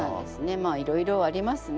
まあいろいろありますね。